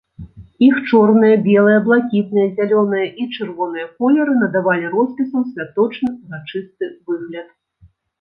Іх чорныя, белыя, блакітныя, зялёныя і чырвоныя колеры надавалі роспісам святочны, урачысты выгляд.